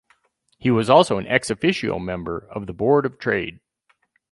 He was also an "ex officio" member of the board of trade.